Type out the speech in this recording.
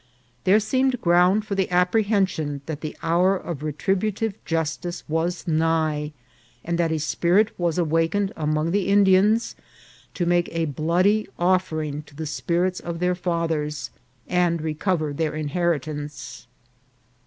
There seemed ground for the apprehension that the hour of retributive justice was nigh, and that a spirit was awakened among the Indians to make a bloody offering to the spirits of their fathers, and recover their inheritance.